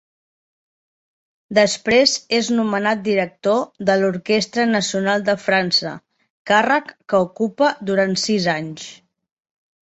Després és nomenat director de l'Orquestra Nacional de França, càrrec que ocupa durant sis anys.